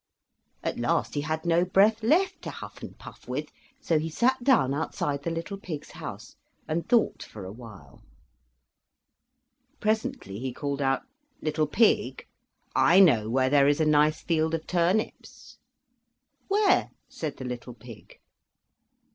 At last he had no breath left to huff and puff with, so he sat down outside the little pig's house and thought for awhile. Presently he called out: "Little pig, I know where there is a nice field of turnips." "Where?" said the little pig.